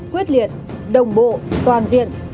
quyết liệt đồng bộ toàn diện